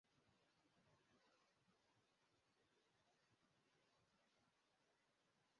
Umugore ufite igikapu cyumuhondo "Miller" afite ikiganza kumugabo wicaye